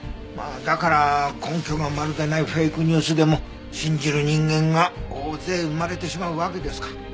まあだから根拠がまるでないフェイクニュースでも信じる人間が大勢生まれてしまうわけですか。